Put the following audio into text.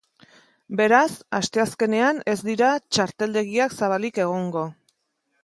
Beraz, asteazkenean ez dira txarteldegiak zabalik egongo.